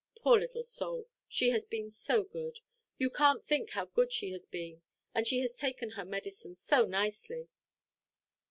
Poor little soul! she has been so good. You canʼt think how good she has been. And she has taken her medicine so nicely."